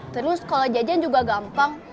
terus kalau jajan juga gampang